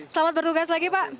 selamat bertugas lagi pak